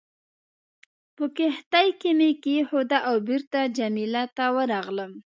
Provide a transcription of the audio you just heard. په کښتۍ کې مې کېښوده او بېرته جميله ته ورغلم.